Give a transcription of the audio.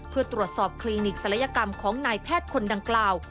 เพื่อตรวจสอบคลินิกศัลยกรรมของนายแพทย์คนดังกล่าว